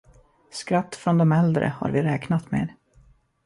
Skratt från dom äldre har vi räknat med.